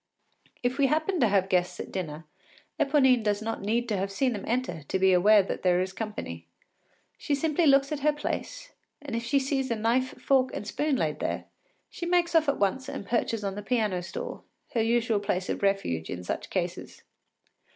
If we happen to have guests at dinner, Eponine does not need to have seen them enter to be aware that there is to be company. She simply looks at her place, and if she sees a knife, fork, and spoon laid there, she makes off at once and perches on the piano stool, her usual place of refuge in such cases.